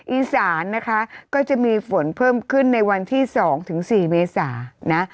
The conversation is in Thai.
๓อีสานก็จะมีฝนเพิ่มขึ้นใน๒๔เมษานะ